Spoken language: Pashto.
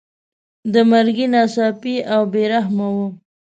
د مرګي ناڅاپي او بې رحمه وو.